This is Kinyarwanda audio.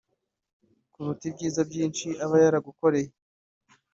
kuruta ibyiza byinshi aba yaragukoreye